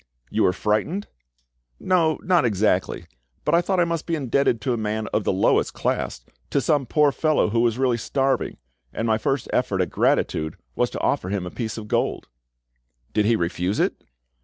"You were frightened?" "No, not exactly; but I thought I must be indebted to a man of the lowest class, to some poor fellow who was really starving, and my first effort at gratitude was to offer him a piece of gold." "Did he refuse it?"